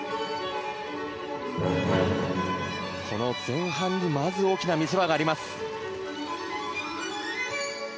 この前半に、まず大きな見せ場があります。